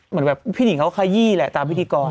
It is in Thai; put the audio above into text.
เหมือนแบบพี่หนิงเขาขยี้แหละตามพิธีกร